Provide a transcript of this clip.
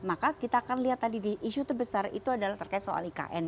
maka kita akan lihat tadi di isu terbesar itu adalah terkait soal ikn